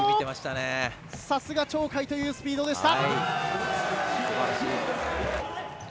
さすが鳥海というスピードでした。